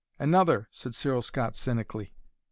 "Another!" said Cyril Scott cynically.